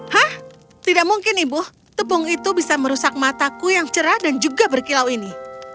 hah tidak mungkin ibu tepung itu bisa merusak mataku yang cerah dan juga berkilau ini